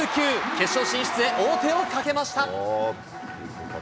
決勝進出へ王手をかけました。